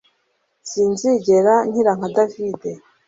Sinzigera nkira nka David